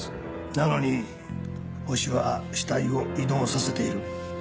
なのにホシは死体を移動させている。